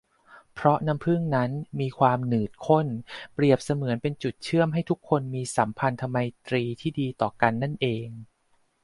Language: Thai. เพราะน้ำผึ้งนั้นมีความหนืดข้น เปรียบเสมือนเป็นจุดเชื่อมให้ทุกคนมีสัมพันธไมตรีที่ดีต่อกันนั่นเอง